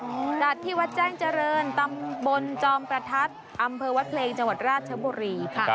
จัดที่วัดแจ้งเจริญตำบลจอมประทัดอำเภอวัดเพลงจังหวัดราชบุรีค่ะ